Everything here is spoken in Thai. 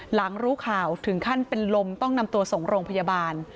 หลังรู้ข่าวถึงขั้นเป็นลมต้องนำตัวส่งโรงพยาบาล